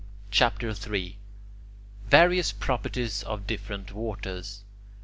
CHAPTER III VARIOUS PROPERTIES OF DIFFERENT WATERS 1.